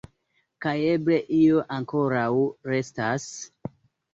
Kaj eble io ankoraŭ restas?